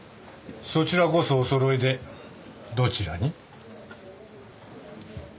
そちらこそお揃いでどちらに？